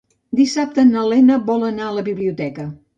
Dissabte na Lena vol anar a la biblioteca.